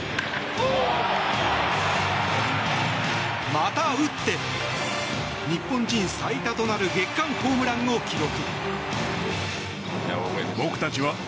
また打って、日本人最多となる月間ホームランを記録。